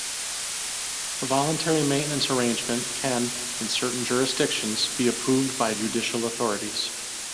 A voluntary maintenance arrangement can in certain jurisdictions be approved by judicial authorities.